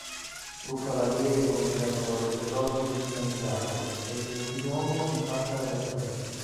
Fu cavaliere commendatore dell'Ordine di Santiago e gentiluomo di Camera del re.